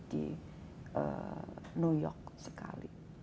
di new york sekali